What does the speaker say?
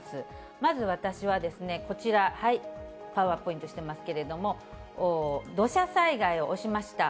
まず私は、こちら、パワーポイントしてますけども、土砂災害を押しました。